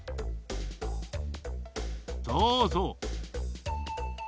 そうそう。